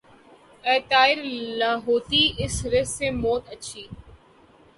اے طائر لاہوتی اس رزق سے موت اچھی